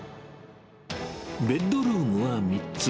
ベッドルームは３つ。